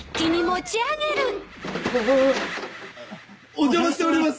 お邪魔してます！